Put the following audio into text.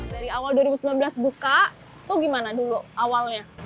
dari awal dua ribu sembilan belas buka itu gimana dulu awalnya